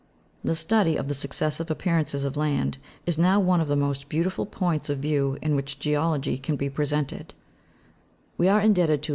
The study of the successive appearances of land is now one of the most beautiful points of view in which geology can be presented ; we are indebted to M.